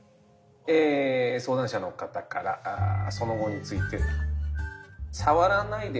え相談者の方からその後について。